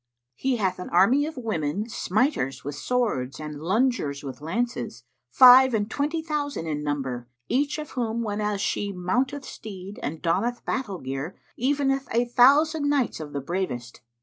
He hath an army of women, smiters with swords and lungers with lances, five and twenty thousand in number, each of whom, whenas she mounteth steed and donneth battle gear, eveneth a thousand knights of the bravest.